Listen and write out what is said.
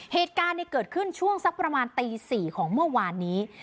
เหตุการณ์เกิดขึ้นช่วงสักประมาณตี๔ของเมื่อวานนี้